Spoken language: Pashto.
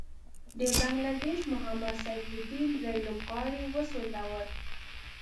د بنګله دېش محمد سيف الدين دری لوبغاړی وسوځل.